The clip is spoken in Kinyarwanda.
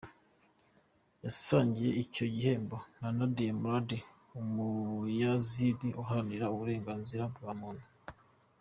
Yasangiye icyo gihembo na Nadia Murad, Umuyazidi uharanira uburenganzira bwa muntu.